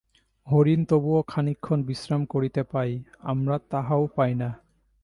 হরিণ তবুও খানিকক্ষণ বিশ্রাম করিতে পায়, আমরা তাহাও পাই না।